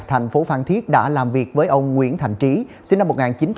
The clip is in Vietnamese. thành phố phan thiết đã làm việc với ông nguyễn thành trí sinh năm một nghìn chín trăm chín mươi